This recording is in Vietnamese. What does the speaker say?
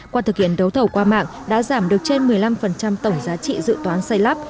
qua thực hiện đấu thầu qua mạng đã giảm được trên một mươi năm tổng giá trị dự toán xây lắp